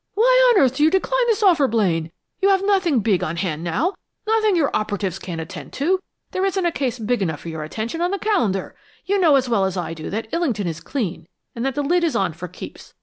"Why on earth do you decline this offer, Blaine? You've nothing big on hand now nothing your operatives can't attend to. There isn't a case big enough for your attention on the calendar! You know as well as I do that Illington is clean and that the lid is on for keeps!